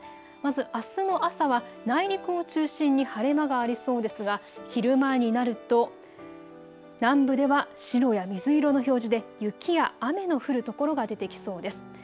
まず、あすの朝は内陸を中心に晴れ間がありそうですが昼前になると南部では白や水色の表示で雪や雨の降るところが出てきそうです。